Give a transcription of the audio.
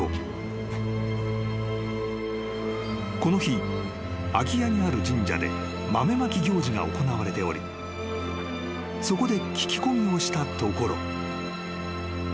［この日秋谷にある神社で豆まき行事が行われておりそこで聞き込みをしたところ］